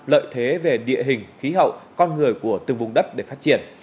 lợi thế về địa hình khí hậu con người của từng vùng đất để phát triển